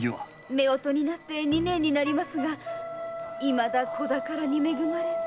夫婦になって二年になりますがいまだ子宝に恵まれず。